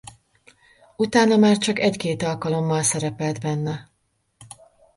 Utána már csak egy-két alkalommal szerepelt benne.